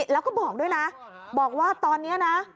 แล้วก็บอกด้วยนะบอกว่าตอนนี้นะ